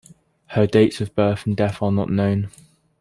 Her dates of birth and death are not known.